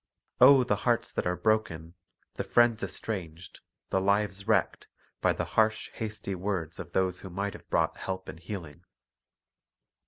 Oh, the hearts that are broken, the friends estranged, the lives wrecked, by the harsh, hasty words of those who might have brought help and healing!